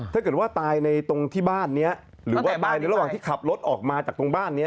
ถ้าเกิดว่าตายในตรงที่บ้านนี้หรือว่าตายในระหว่างที่ขับรถออกมาจากตรงบ้านนี้